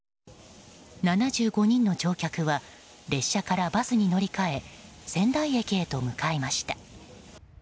７５人の乗客は列車からバスに乗り換え仙台駅へと向かいました。